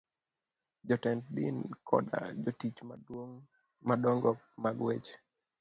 Jotend din koda jorit madongo mag weche